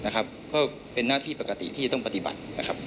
ก็เป็นหน้าที่ปกติที่ต้องปฏิบัติ